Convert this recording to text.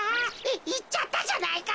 いっちゃったじゃないか！